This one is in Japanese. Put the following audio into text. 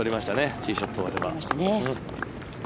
ティーショットで。